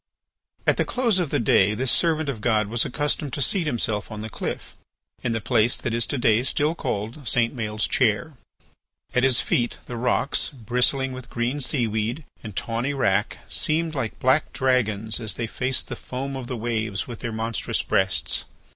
At the close of the day this servant of God was accustomed to seat himself on the cliff, in the place that is to day still called St. Maël's chair. At his feet the rocks bristling with green seaweed and tawny wrack seemed like black dragons as they faced the foam of the waves with their monstrous breasts.